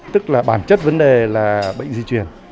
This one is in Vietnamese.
tức là bản chất vấn đề là bệnh di chuyển